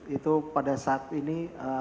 itu pada saat ini